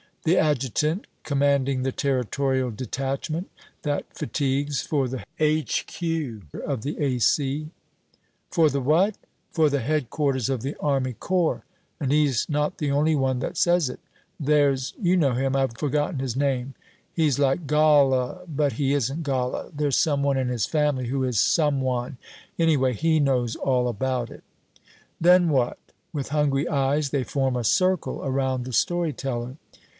"The adjutant commanding the Territorial detachment that fatigues for the H.Q. of the A.C." "For the what?" "For Headquarters of the Army Corps, and he's not the only one that says it. There's you know him I've forgotten his name he's like Galle, but he isn't Galle there's some one in his family who is Some One. Anyway, he knows all about it." "Then what?" With hungry eyes they form a circle around the story teller.